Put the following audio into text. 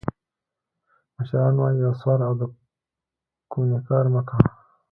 مشران وایي: یو سوال او د کونې کار مه کوه.